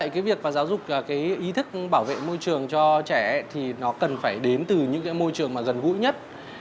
cái việc mà giáo dục cái ý thức bảo vệ môi trường cho trẻ thì nó cần phải đến từ những cái môi trường mà gần gũi nhất